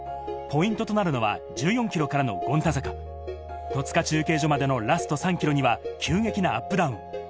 ポイントとなるのは１４ｋｍからの権太坂、戸塚中継所までのラスト３ｋｍには急激なアップダウン。